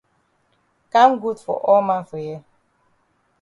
Kam good for all man for here.